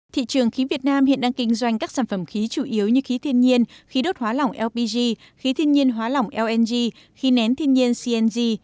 thị trường khí việt nam hiện đang kinh doanh các sản phẩm khí chủ yếu như khí thiên nhiên khí đốt hóa lỏng lpg khí thiên nhiên hóa lỏng lng khí nén thiên nhiên cng